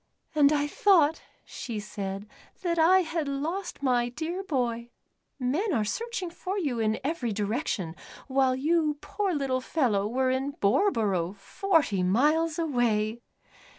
"And I thought," she said, "that I had lost my dear boy. Men are searching for you in every direction, while you, poor little fellow, were in Boreborough, forty miles away."